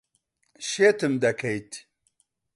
شێتم دەکەیت.